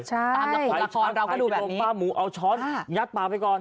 ใช่ป้าหมูเอาช้อนยัดปากไปก่อน